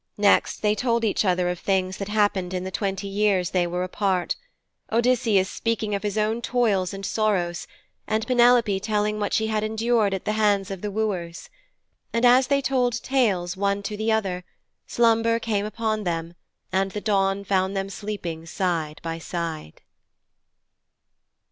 Next they told each other of things that happened in the twenty years they were apart; Odysseus speaking of his own toils and sorrows, and Penelope telling what she had endured at the hands of the wooers. And as they told tales, one to the other, slumber came upon them, and the dawn found them sleeping side by side.